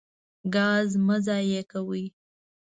ګاز مه ضایع کوئ.